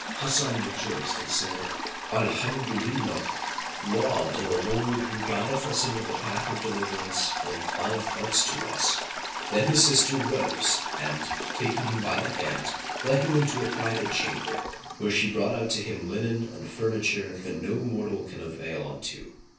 Hasan rejoiced and said, "Alhamdolillah, laud to the Lord who guideth us into the path of deliverance and inclineth hearts to us!" Then his sister[FN#41] rose and taking him by the hand, led him into a private chamber, where she brought out to him linen and furniture that no mortal can avail unto.